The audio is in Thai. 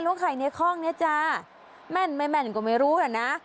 หลวงไข่ในข้องนี้จ้าแม่นกว่าไม่รู้นะ